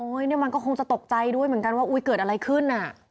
อุ้ยนี่มันก็คงจะตกใจด้วยเหมือนกันว่าเกิดอะไรขึ้น